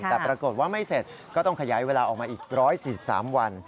แต่ปรากฏว่าไม่เสร็จก็ต้องขยายเวลาออกมาอีก๑๔๓วัน